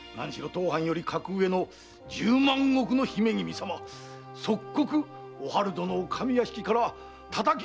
当藩より格上の十万石の姫君様即刻おはる殿を上屋敷からたたき出してしまわれたのです。